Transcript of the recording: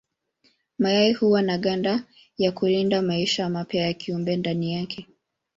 Mayai huwa na ganda ya kulinda maisha mapya ya kiumbe ndani yake.